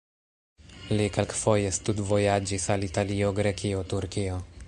Li kelkfoje studvojaĝis al Italio, Grekio, Turkio.